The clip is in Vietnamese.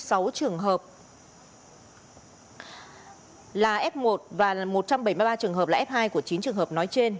tất cả chín trường hợp đều là f một và một trăm bảy mươi ba trường hợp là f hai của chín trường hợp nói trên